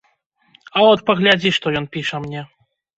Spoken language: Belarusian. А от паглядзі, што ён піша мне.